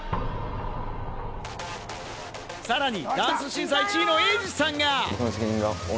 さらにダンス審査１位のエイジさんが。